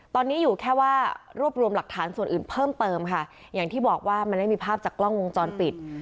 ตอนนี้อยู่แค่ว่ารวบรวมหลักฐานส่วนอื่นเพิ่มเติมค่ะอย่างที่บอกว่ามันไม่มีภาพจากกล้องวงจรปิด